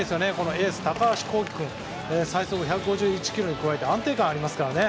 エース、高橋煌稀君最速１５１キロに加えて安定感がありますからね。